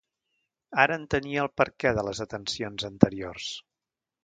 Ara entenia el perquè de les atencions anteriors.